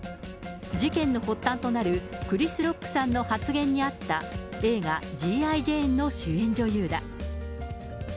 事件の発端となる、クリス・ロックさんの発言にあった映画、ＧＩジェーンの主演女優だ。